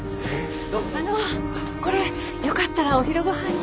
あのこれよかったらお昼ごはんに。